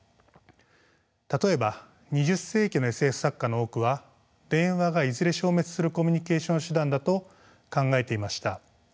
例えば２０世紀のＳＦ作家の多くは電話がいずれ消滅するコミュニケーション手段だと考えていました。